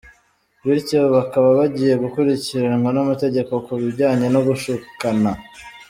Bityo bakaba bagiye gukurikiranwa n’amategeko ku bijyanye no gushukana.